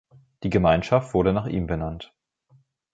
Die Gemeinschaft wurde nach ihm benannt.